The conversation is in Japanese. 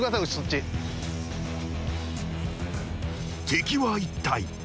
［敵は１体］